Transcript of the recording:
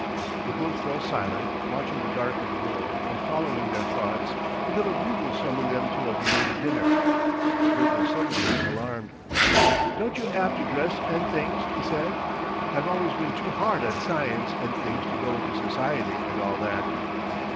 They both fell silent, watching the darkened world and following their thoughts until a bugle summoned them to a belated dinner. Bert was suddenly alarmed. "Don't you 'ave to dress and things?" he said. "I've always been too hard at Science and things to go into Society and all that."